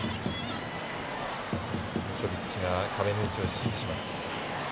ムショビッチが壁の位置を指示します。